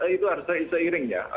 itu harus seiring ya